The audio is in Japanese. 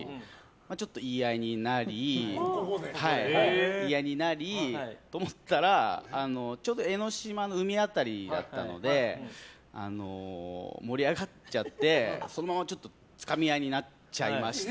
ちょっと言い合いになり。と、思っていたらちょうど江の島の海辺りだったので盛り上がっちゃってそのままつかみ合いになっちゃいまして